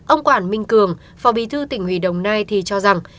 ông quản minh cường phò bí thư tỉnh huy đồng nai thì cho rằng